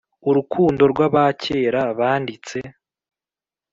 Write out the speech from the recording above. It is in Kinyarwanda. urukundo rwabakera banditse,